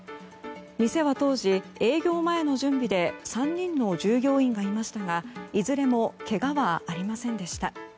店は当時、営業前の準備で３人の従業員がいましたがいずれもけがはありませんでした。